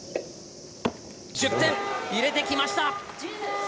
１０点、入れてきました。